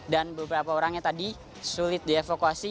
dan beberapa orangnya tadi sulit dievokasi